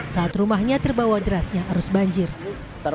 saat rumahnya terbawa derasnya arus banjir